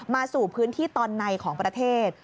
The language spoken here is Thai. มาสู่พื้นที่ตอนในของประเทศ